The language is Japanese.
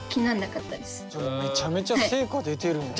じゃあめちゃめちゃ成果出てるよね。